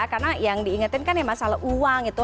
karena yang diingetin kan ya masalah uang itu